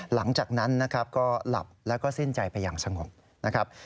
หลังจากนั้นนะครับก็หลับแล้วก็สิ้นใจไปอย่างสงบนะครับ